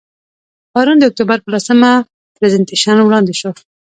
پرون د اکتوبر په لسمه، پرزنټیشن وړاندې شو.